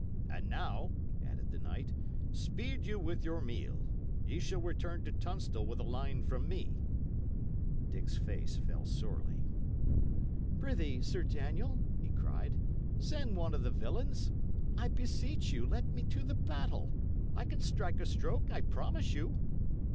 "And now," added the knight, "speed you with your meal; ye shall return to Tunstall with a line from me." Dick's face fell sorely. "Prithee, Sir Daniel," he cried, "send one of the villains! I beseech you let me to the battle. I can strike a stroke, I promise you."